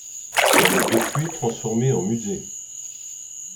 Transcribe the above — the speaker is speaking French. Elle est depuis transformée en musée.